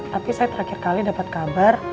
tapi saya terakhir kali dapat kabar